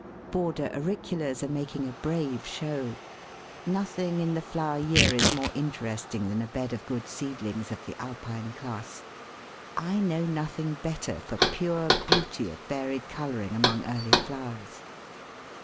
Border Auriculas are making a brave show. Nothing in the flower year is more interesting than a bed of good seedlings of the Alpine class. I know nothing better for pure beauty of varied colouring among early flowers.